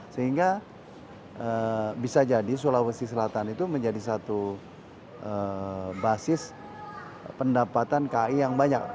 sehingga bisa jadi sulawesi selatan itu menjadi satu basis pendapatan kai yang banyak